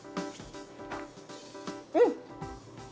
うん！